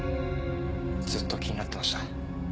ずっと気になってました。